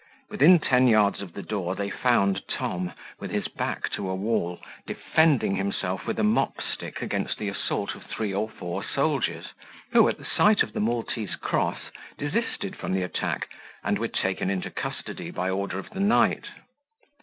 Within ten yards of the door they found Tom, with his back to a wall, defending himself with a mopstick against the assault of three or four soldiers, who, at sight of the Maltese cross, desisted from the attack, and were taken into custody by order of the knight.